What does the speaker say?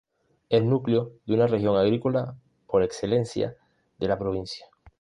Es núcleo de una región agrícola por excelencia de la provincia.